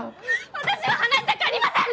私は話したくありません！